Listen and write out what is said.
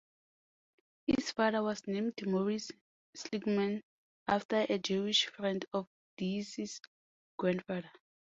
His father was named "Morris Seligman" after a Jewish friend of Dees's grandfather.